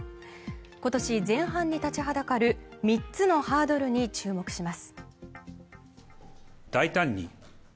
今年前半に立ちはだかる３つのハードルに注目します。